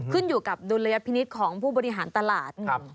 ขึ้นอยู่กับดุลยพินิษฐ์ของผู้บริหารตลาด